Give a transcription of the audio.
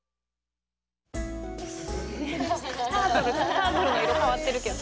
タートルの色変わってるけど。